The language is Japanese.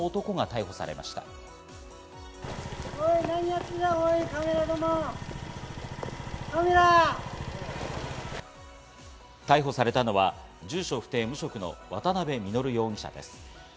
逮捕されたのは住所不定無職の渡部稔容疑者です。